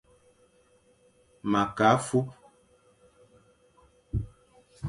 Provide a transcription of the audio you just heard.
Ma ke afup.